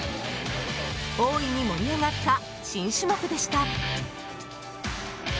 大いに盛り上がった新種目でした。